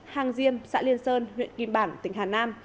hàng diêm xã liên sơn huyện kim bảng tỉnh hà nam